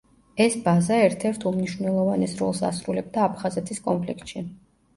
ეს ბაზა ერთ-ერთ უმნიშვნელოვანეს როლს ასრულებდა აფხაზეთის კონფლიქტში.